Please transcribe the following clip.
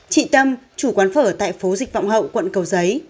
chị tâm chủ quán phở tại phố dịch vọng hậu quận cầu giấy